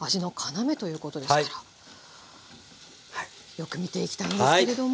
よく見ていきたいんですけれども。